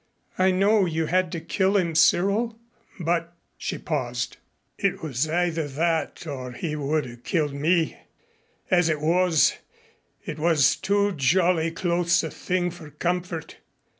I know you had to kill him, Cyril, but " She paused. "It was either that or he would have killed me. As it was, it was too jolly close a thing for comfort.